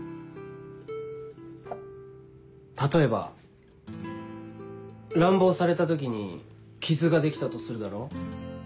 例えば乱暴された時に傷が出来たとするだろ。